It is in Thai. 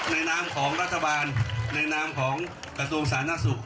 นามของรัฐบาลในนามของกระทรวงสาธารณสุข